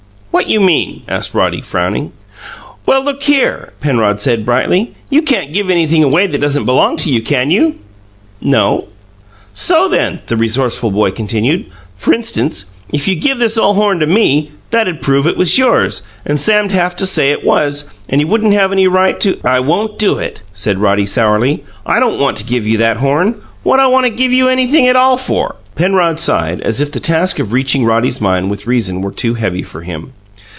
"What you mean?" asked Roddy, frowning. "Well, look here," Penrod began brightly. "You can't give anything away that doesn't belong to you, can you?" "No." "So, then," the resourceful boy continued, "f'r instance, if you give this ole horn to me, that'd prove it was yours, and Sam'd haf to say it was, and he wouldn't have any right to " "I won't do it!" said Roddy sourly. "I don't want to give you that horn. What I want to give you anything at all for?" Penrod sighed, as if the task of reaching Roddy's mind with reason were too heavy for him.